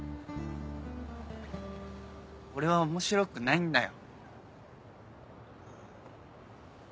俺は面白くないんだよ。